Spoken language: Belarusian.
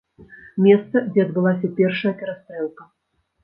Месца, дзе адбылася першая перастрэлка.